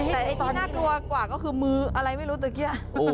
แต่ไอ้ที่น่ากลัวกว่าก็คือมืออะไรไม่รู้ตะกี้